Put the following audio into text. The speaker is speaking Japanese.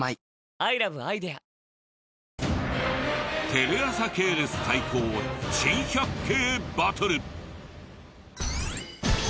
テレ朝系列対抗珍百景バトル。